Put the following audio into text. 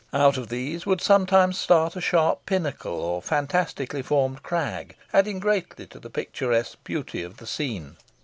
Out of these would sometimes start a sharp pinnacle, or fantastically formed crag, adding greatly to the picturesque beauty of the scene.